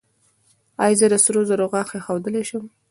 ایا زه د سرو زرو غاښ ایښودلی شم؟